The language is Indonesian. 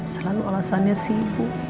selalu alasannya sibuk